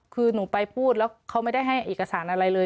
คือหนูไปพูดแล้วเขาไม่ได้ให้เอกสารอะไรเลย